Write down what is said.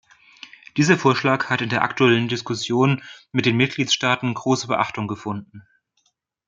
Dieser Vorschlag hat in der aktuellen Diskussion mit den Mitgliedstaaten große Beachtung gefunden.